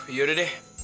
aduh yaudah deh